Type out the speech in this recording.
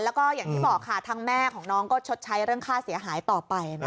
แล้วก็อย่างที่บอกค่ะทางแม่ของน้องก็ชดใช้เรื่องค่าเสียหายต่อไปนะคะ